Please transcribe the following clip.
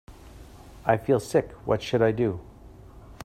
I feel sick, what should I do?